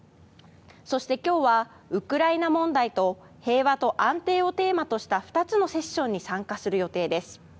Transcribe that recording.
そして今日はウクライナ問題と平和と安定をテーマとした２つのセッションに参加する予定です。